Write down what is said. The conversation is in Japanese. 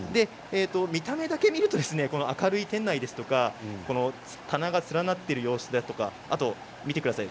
見た目だけ見ると明るい店内ですとか棚が連なっている様子だとか見てください。